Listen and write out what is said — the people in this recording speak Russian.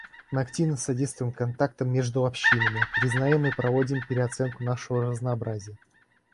Мы активно содействуем контактам между общинами, признаем и проводим переоценку нашего разнообразия.